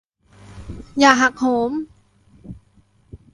อย่าหักโหม